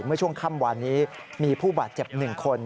เมื่อช่วงค่ำวานนี้มีผู้บาดเจ็บ๑คน